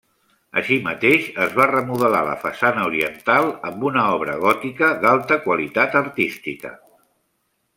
Així mateix es va remodelar la façana oriental amb una obra gòtica d'alta qualitat artística.